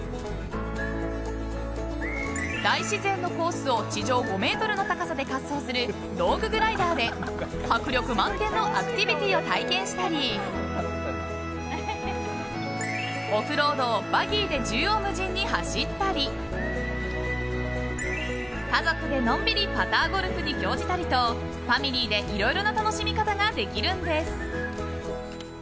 大自然のコースを地上５ｍの高さで滑走するロールグライダーで迫力満点のアクティビティーを体験したりオフロードをバギーで縦横無尽に走ったり家族でのんびりパターゴルフに興じたりとファミリーでいろいろな楽しみ方ができるんです。